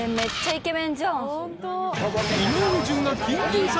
［井上順が緊急参戦］